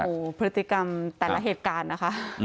โอ้โหพฤติกรรมแต่ละเหตุการณ์นะคะ